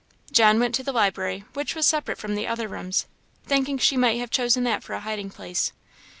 John went to the library, which was separate from the other rooms, thinking she might have chosen that for a hiding place.